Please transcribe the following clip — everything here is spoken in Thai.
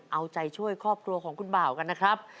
เอาใจช่วยครอบครัวของคุณบ่าวกันนะครับ